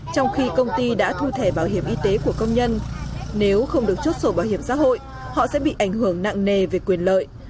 trong khi công ty đã thu thẻ bảo hiểm y tế của công nhân nếu không được chốt sổ bảo hiểm xã hội họ sẽ bị ảnh hưởng nặng nề về quyền lợi